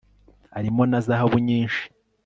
arimo na zahabu nyinshi